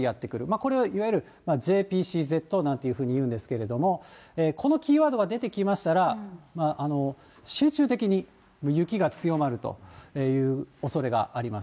これをいわゆる、ＪＰＣＺなんて言うんですけれども、このキーワードが出てきましたら、集中的に雪が強まるというおそれがあります。